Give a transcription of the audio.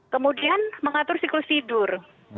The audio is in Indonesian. kemudian mengatur siklus tidur